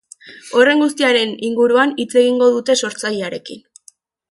Horren guztiaren inguruan hitz egingo dute sortzailearekin.